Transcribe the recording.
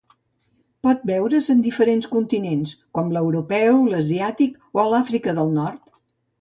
Pot veure's en diferents continents, com l'europeu, l'asiàtic o a Àfrica del Nord.